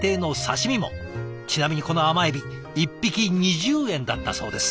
ちなみにこの甘エビ１匹２０円だったそうです。